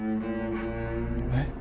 えっ？